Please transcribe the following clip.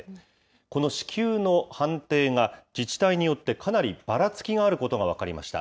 この支給の判定が、自治体によってかなりばらつきがあることが分かりました。